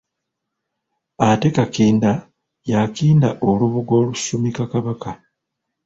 Ate Kakinda y'akinda olubugo olusumika Kabaka.